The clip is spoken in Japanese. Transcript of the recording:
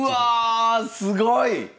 うわすごい！